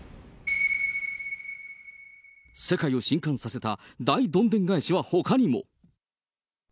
世界をしんかんさせた大どんでん返しはほかにも。